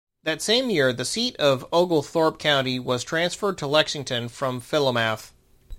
That same year, the seat of Oglethorpe County was transferred to Lexington from Philomath.